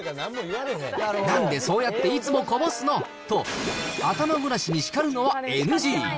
なんでそうやっていつもこぼすのと、頭ごなしに叱るのはＮＧ。